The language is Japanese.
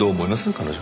彼女。